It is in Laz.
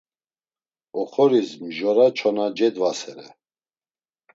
Oxoris mjora çona cedvasere.